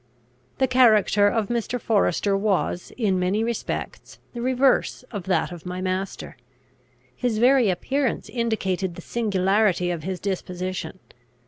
The character of Mr. Forester was, in many respects, the reverse of that of my master. His very appearance indicated the singularity of his disposition.